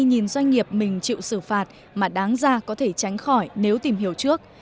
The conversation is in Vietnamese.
nhìn doanh nghiệp mình chịu xử phạt mà đáng ra có thể tránh khỏi nếu tìm hiểu trước